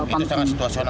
itu sangat situasional